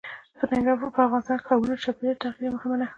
په افغانستان کې قومونه د چاپېریال د تغیر یوه مهمه نښه ده.